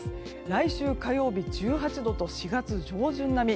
来週火曜日１８度と４月上旬並み。